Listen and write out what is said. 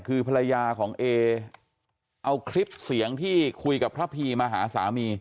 คือภรรยาของเอเอาคลิปเสียงที่คุยกับพระพีมาหาสามี